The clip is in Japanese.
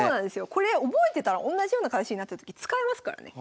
これ覚えてたらおんなじような形になったとき使えますからね。